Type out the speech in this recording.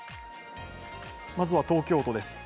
まずは東京都です。